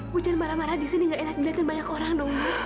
hujan marah marah disini gak enak dilihatin banyak orang dong